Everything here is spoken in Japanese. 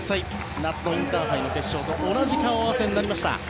夏のインターハイの決勝と同じ顔合わせになりました。